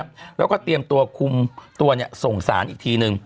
แล้วก็เตรียมตัวคุมตัวเนี่ยส่งสารอีกทีนึง